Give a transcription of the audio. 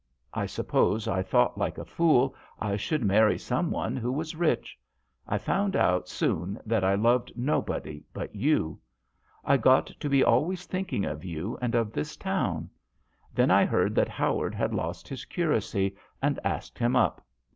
L suppose I thought, like a fool, I should marry some one who was rich. I found out soon that I loved nobody but you. I got to be always thinking of you and of this town. Then I heard that Howard had lost his curacy, and asked him up.